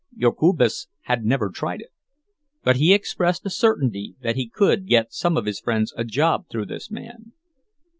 Jokubas had never tried it, but he expressed a certainty that he could get some of his friends a job through this man.